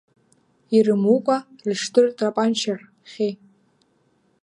Ирымукәа рыҽдыртапанчар, хьи!